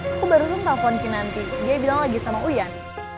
aku barusan telepon kinanti dia bilang lagi sama uyan